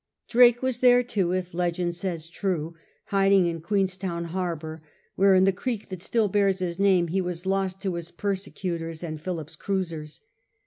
Drake was there too, if legend says true, hiding in Queenstown harbour, where in the creek that still bears his name he was lost to his persecutors and Philip's cruisers.